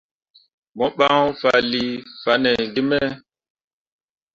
Mo ɓan fanlii fanne gi me.